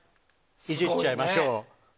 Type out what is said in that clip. いじっちゃいましょう。